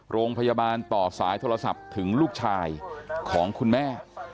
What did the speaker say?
โรงพยาบาลต่อสายโทรศัพท์ถึงลูกชายของคุณแม่